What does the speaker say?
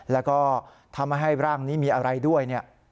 แล้วก็ทำให้ร่างนี้มีอะไรด้วย